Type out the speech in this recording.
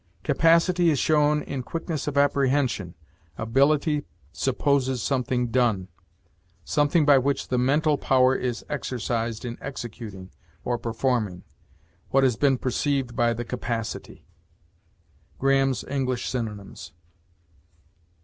Capacity is shown in quickness of apprehension. Ability supposes something done; something by which the mental power is exercised in executing, or performing, what has been perceived by the capacity." Graham's "English Synonymes."